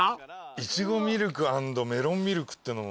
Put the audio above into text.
いちごミルク＆メロンミルクってのも。